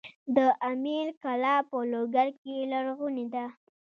د امیل کلا په لوګر کې لرغونې ده